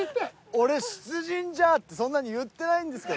俺「出陣じゃー！」ってそんなに言ってないんですけど。